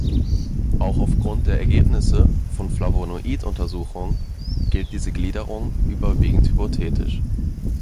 Auch aufgrund der Ergebnisse von Flavonoid-Untersuchungen gilt diese Gliederung überwiegend hypothetisch.